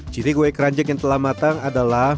ciri kue keranjang yang telah matang adalah